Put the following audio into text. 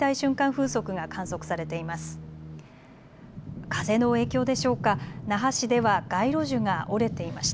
風速が観測されています。